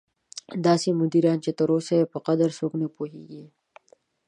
داسې مدیران چې تر اوسه یې په قدر څوک نه پوهېږي.